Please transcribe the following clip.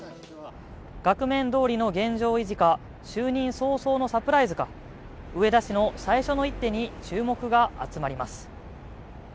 額面どおりの現状維持か就任早々のサプライズか植田氏の最初の一手に注目が集まります。